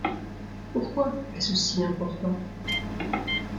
Pourquoi est-ce si important ?